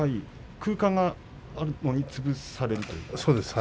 空間が潰されるということですか。